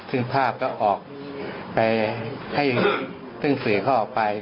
ซึ่งภาพก็ออกไปให้ซึ่งสื่อเขาออกไป